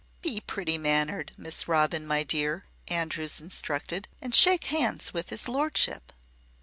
"Be pretty mannered, Miss Robin my dear," Andrews instructed, "and shake hands with his Lordship."